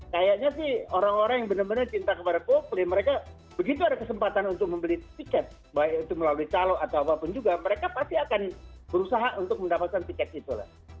kayaknya sih orang orang yang benar benar cinta kepada coldplay mereka begitu ada kesempatan untuk membeli tiket baik itu melalui calo atau apapun juga mereka pasti akan berusaha untuk mendapatkan tiket itu lah